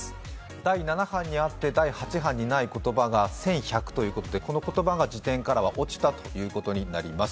第７版にあって、第８版にない言葉があるということで、この言葉が辞典からは落ちたということになります。